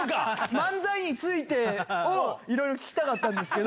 漫才についてをいろいろ聞きたかったんですけど。